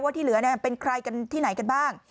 ที่เหลือเป็นใครกันที่ไหนกันบ้าง